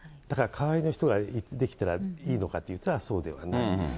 だから代わりの人ができたらいいのかといったら、そうではない。